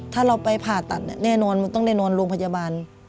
ถ้าเราไปผ่าตัดแน่นอนมันต้องได้นอนโรงพยาบาล